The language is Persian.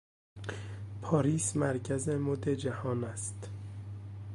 پاریس مرکز مد جهان است.